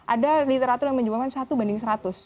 ada literatur yang menyumbangkan satu banding seratus